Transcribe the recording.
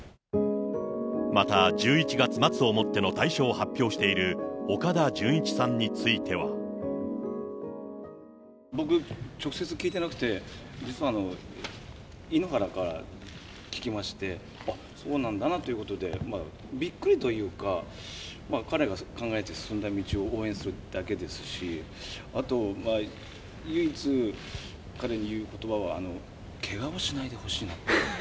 また１１月末をもっての退所を発表している岡田准一さんにつ僕、直接聞いてなくて、実は、井ノ原から聞きまして、あっ、そうなんだなということで、びっくりというか、彼が考えて進んだ道を応援するだけですし、あと唯一、彼に言うことばは、けがをしないでほしいなって。